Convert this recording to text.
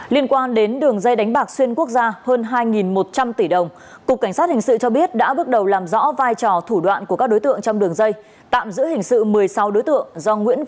liên quan đến đường dây đánh bạc xuyên quốc gia hơn hai một trăm linh tỷ đồng cục cảnh sát hình sự cho biết đã bước đầu làm rõ vai trò thủ đoạn của các đối tượng trong đường dây